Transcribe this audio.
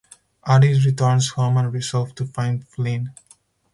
Ary returns home and resolves to find Flynn.